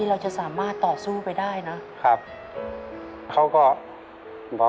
ที่เราจะสามารถต่อสู้ไปได้นะครับ